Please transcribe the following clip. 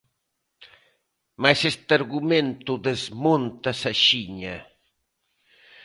Mais este argumento desmóntase axiña.